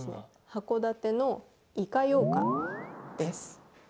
函館のイカようかんです。